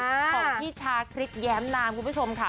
ของพี่ชาคริสแย้มนามคุณผู้ชมค่ะ